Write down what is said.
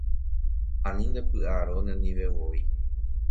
Ani ndepy'arõ nendivevoi